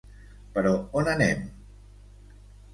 Però on anem?